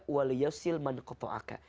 walyu'asil man kotoaka